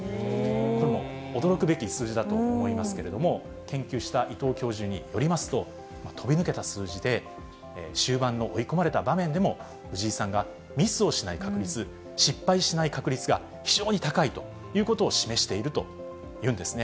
これ、驚くべき数字だと思いますけれども、研究した伊藤教授によりますと、飛び抜けた数字で、終盤の追い込まれた場面でも、藤井さんがミスをしない確率、失敗しない確率が非常に高いということを示しているというんですね。